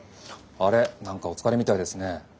何かお疲れみたいですね。